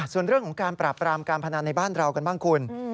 ส่วนเรื่องของการปราบปรามการพนันในบ้านเรากันบ้างคุณ